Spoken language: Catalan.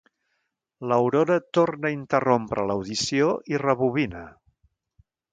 L'Aurora torna a interrompre l'audició i rebobina.